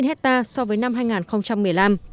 bốn hectare so với năm hai nghìn một mươi năm